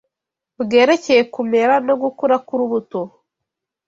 bwerekeye kumera no gukura k’urubuto